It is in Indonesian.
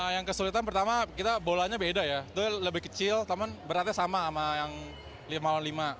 yang kesulitan pertama kita bolanya beda ya itu lebih kecil tapi beratnya sama sama yang lima lawan lima